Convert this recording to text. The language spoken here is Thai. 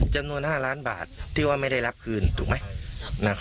จำนวน๕ล้านบาทที่ว่าไม่ได้รับคืนถูกไหม